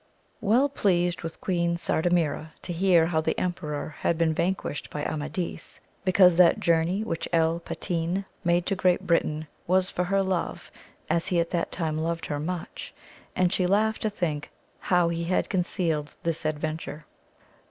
ELL pleased was Queen Sardamira to hear how the emperor had been vanquished by Amadis, because that journey which El Patin made to Great Britain, was for her love, as he AMADIS OF GAUL. ;i3 at that time loved her much, and she laughed to think how he had concealed this adventure.